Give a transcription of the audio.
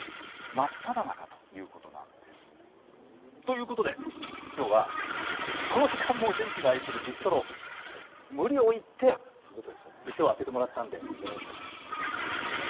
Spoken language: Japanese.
真っただ中ということです。ということで今日はこの時間も電気がついているビストロ、無理を言って店を開けてもらいました。